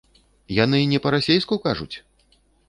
Яны не па-расейску кажуць?